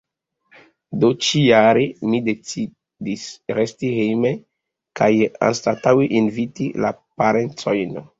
Do, ĉi-jare mi decidis resti hejme kaj anstataŭe inviti la parencojn.